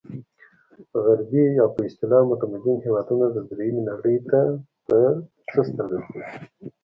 غربي یا په اصطلاح متمدن هېوادونه درېیمې نړۍ ته په څه سترګه ګوري.